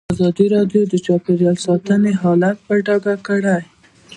ازادي راډیو د چاپیریال ساتنه حالت په ډاګه کړی.